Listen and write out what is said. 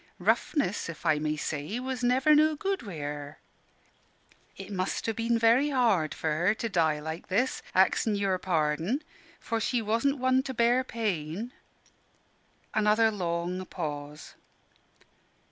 Roughness, if I may say, was never no good wi' her. It must ha' been very hard for her to die like this, axin your parden, for she wasn' one to bear pain." Another long pause.